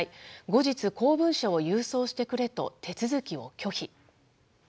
後日、公文書を郵送してくれと手続きを拒否。